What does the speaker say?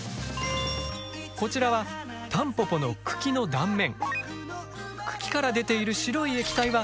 こちらはタンポポの茎の断面。